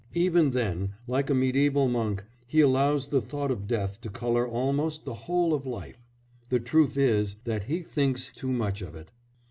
Even then, like a mediæval monk, he allows the thought of death to colour almost the whole of life. The truth is that he thinks too much of it.